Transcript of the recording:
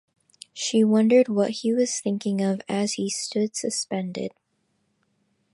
She wondered what he was thinking of as he stood suspended.